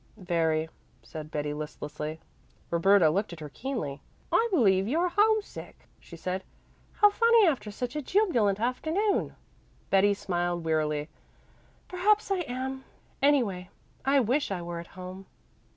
"Very," said Betty listlessly. Roberta looked at her keenly. "I believe you're homesick," she said. "How funny after such a jubilant afternoon." Betty smiled wearily. "Perhaps I am. Anyway, I wish I were at home."